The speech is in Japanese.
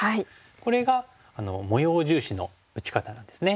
これが模様重視の打ち方なんですね。